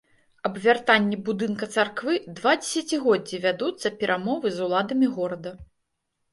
Аб вяртанні будынка царквы два дзесяцігоддзі вядуцца перамовы з уладамі горада.